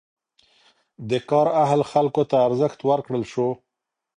د کار اهل خلکو ته ارزښت ورکړل شو.